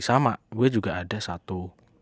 sama gue juga ada satu